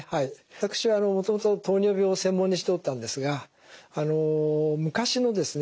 私はもともと糖尿病を専門にしていたのですが昔のですね